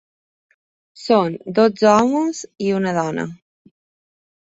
Són dotze homes i una dona.